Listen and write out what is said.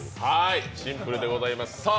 シンプルでございます。